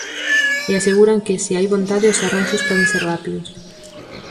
E aseguran que, se hai vontade, os arranxos poden ser rápidos.